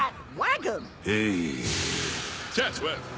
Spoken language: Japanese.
チャッツワース